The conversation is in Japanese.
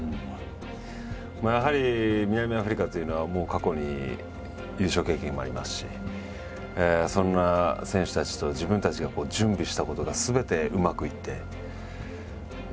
やはり南アフリカというのはもう過去に優勝経験もありますしそんな選手たちと自分たちが準備したことがすべてうまくいって。